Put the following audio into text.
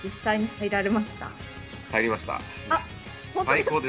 入りました。